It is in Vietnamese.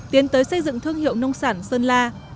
tiến tới xây dựng thương hiệu nông sản sơn la